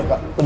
eh kak fani